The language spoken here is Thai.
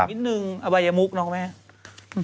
ก็เลื่อนไปออกวันที่๒